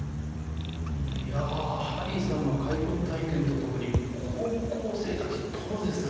いやハリーさんの介護体験とともに高校生たちどうです？